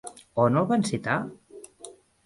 On el van citar?